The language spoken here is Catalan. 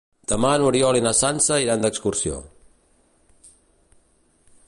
Demà n'Oriol i na Sança iran d'excursió.